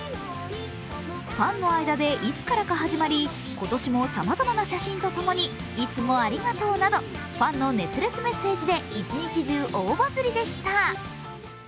ファンの間でいつからか始まり今年もさまざまな写真と共に「いつもありがとう」などファンの熱烈メッセージで一日中大バズりでした。